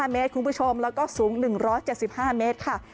๕เมตรคุณผู้ชมแล้วก็สูง๑๗๕เมตรค่ะ